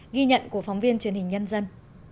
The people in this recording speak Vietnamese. ghi nhận của phóng viên truyền hình nhân dân